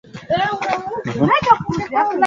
ndiyo yanayoyafanya gharama zao ziwe za juu